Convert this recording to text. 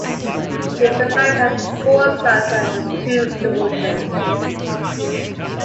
He was survived by his four sons and two daughters.